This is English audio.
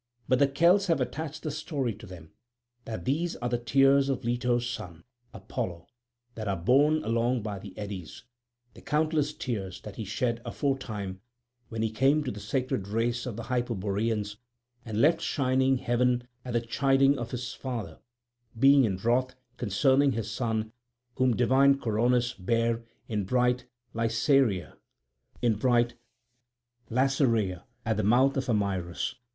But the Celts have attached this story to them, that these are the tears of Leto's son, Apollo, that are borne along by the eddies, the countless tears that he shed aforetime when he came to the sacred race of the Hyperboreans and left shining heaven at the chiding of his father, being in wrath concerning his son whom divine Coronis bare in bright Lacereia at the mouth of Amyrus.